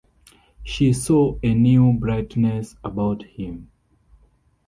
She saw a new brightness about him.